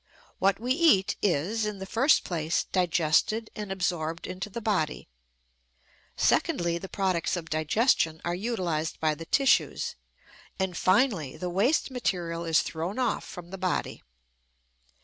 What we eat is, in the first place, digested and absorbed into the body; secondly, the products of digestion are utilized by the tissues; and, finally, the waste material is thrown off from the body.